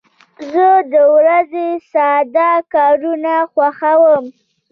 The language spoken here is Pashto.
زه د ورځې ساده کارونه خوښوم.